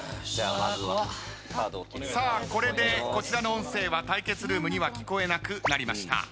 さあこれでこちらの音声は対決ルームには聞こえなくなりました。